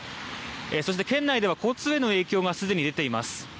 そして県内では交通への影響がすでに出ています。